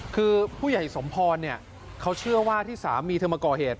คือผู้ใหญ่สมพรเขาเชื่อว่าที่สามีเธอมาก่อเหตุ